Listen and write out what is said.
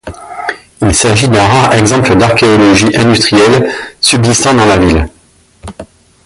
Il s'agit d'un rare exemple d'archéologie industrielle subsistant dans la ville.